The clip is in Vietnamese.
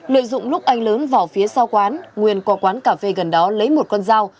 lợi dụng lúc anh lớn vào phía sau quán nguyên qua quán cà phê gần đó lấy một con dao